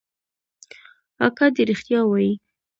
اکا دې ريښتيا وايي.